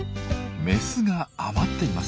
メスが余っています。